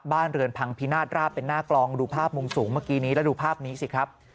บ้านเรือนพังพินาศราบเป็นหน้ากลองดูภาพมุมสูงเมื่อกี้นี้แล้วดูภาพนี้สิครับ